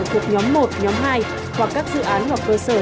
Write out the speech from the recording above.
thuộc nhóm một nhóm hai hoặc các dự án hoặc cơ sở